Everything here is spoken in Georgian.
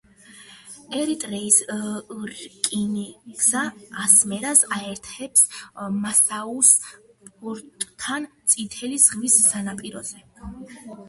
ერიტრეის რკინიგზა ასმერას აერთებს მასაუას პორტთან წითელი ზღვის სანაპიროზე.